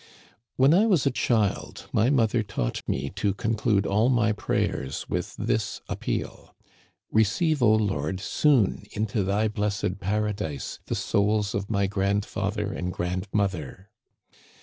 When I was a child my mother taught me to con clude all my prayers with this appeal :" Receive, O Lord, soon into thy blessed paradise the souls of my grandfather and grandmother."